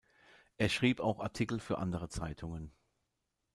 Er schrieb auch Artikel für andere Zeitungen.